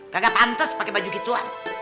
kagak pantas pakai baju gituan